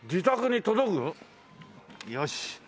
よし。